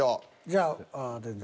じゃあ全然。